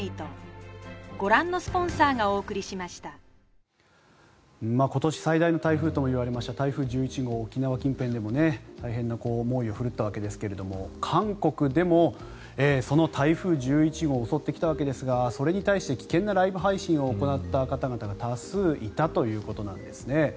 贅沢な香り今年最大の台風ともいわれました台風１１号沖縄近辺でも大変な猛威を振るったわけですが韓国でもその台風１１号が襲ってきたわけですがそれに対して危険なライブ配信を行った方々が多数いたということなんですね。